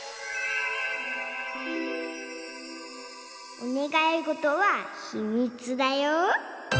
おねがいごとはひみつだよ。